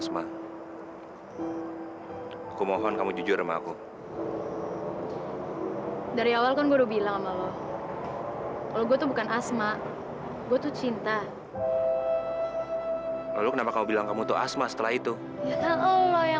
sampai jumpa di video selanjutnya